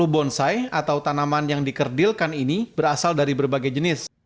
tiga ratus lima puluh bonsai atau tanaman yang dikerdilkan ini berasal dari berbagai jenis